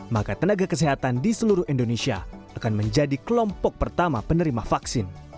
maka tenaga kesehatan di seluruh indonesia akan menjadi kelompok pertama penerima vaksin